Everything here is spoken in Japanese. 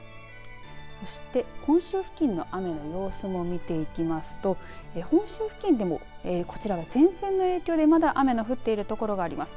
そして本州付近の雨の様子も見ていきますと本州付近でもこちらは前線の影響でまだ雨の降っている所があります